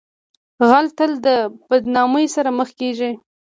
غل تل د بدنامۍ سره مخ کیږي